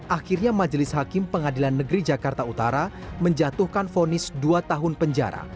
akhirnya majelis hakim pengadilan negeri jakarta utara menjatuhkan fonis dua tahun penjara